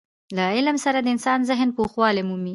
له علم سره د انسان ذهن پوخوالی مومي.